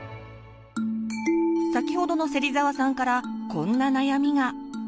先ほどの芹澤さんからこんな悩みが。